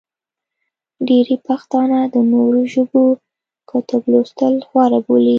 ډېری پښتانه د نورو ژبو کتب لوستل غوره بولي.